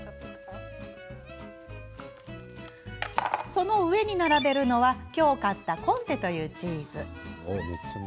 その上に並べるのは今日、買ったコンテというチーズ。